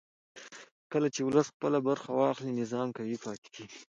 کله چې ولس خپله برخه واخلي نظام قوي پاتې کېږي